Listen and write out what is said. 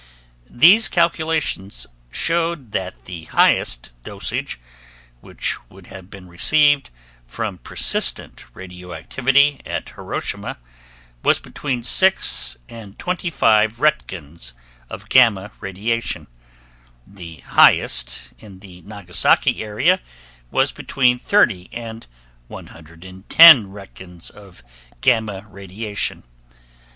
These calculations showed that the highest dosage which would have been received from persistent radioactivity at Hiroshima was between 6 and 25 roentgens of gamma radiation; the highest in the Nagasaki Area was between 30 and 110 roentgens of gamma radiation.